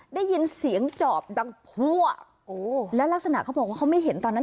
ได้ยินเสียงจอบดังพั่วและลักษณะเขาบอกว่าเขาไม่เห็นตอนนั้น